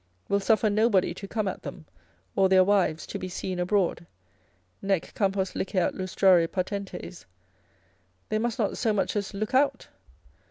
will suffer nobody to come at them, or their wives to be seen abroad,—nec campos liceat lustrare patentes. They must not so much as look out.